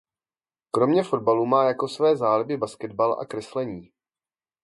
Kromě fotbalu má jako své záliby basketbal a kreslení.